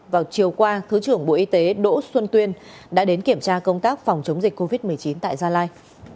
vào chiều qua thứ trưởng bộ y tế đỗ xuân tuyên đã đến kiểm tra công tác phòng chống dịch covid một mươi chín tại gia lai